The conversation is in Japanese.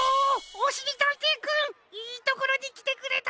おしりたんていくんいいところにきてくれた。